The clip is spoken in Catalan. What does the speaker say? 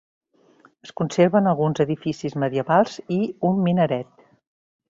Es conserven alguns edificis medievals i un minaret.